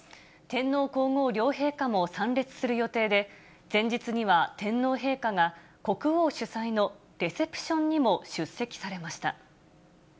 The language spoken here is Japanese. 天皇皇后両陛下も参列する予定で、前日には天皇陛下が、国王主催のレセプションにも出席されました。